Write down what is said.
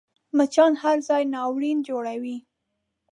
مچان هر ځای ناورین جوړوي